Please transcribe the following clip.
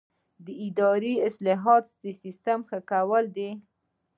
اداري اصلاحات د سیسټم ښه کول دي